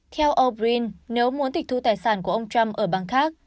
theo o brin nếu muốn tịch thu tài sản của ông trump ở bang khác